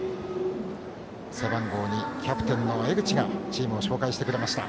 背番号２、キャプテンの江口がチームを紹介してくれました。